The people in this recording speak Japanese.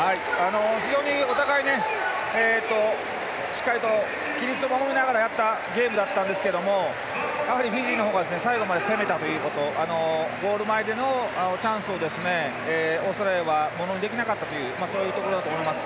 非常にお互い、しっかりと規律を守りながらやったゲームだったんですがフィジーの方が最後まで攻めたということゴール前でチャンスをオーストラリアはものにできなかったというところだと思います。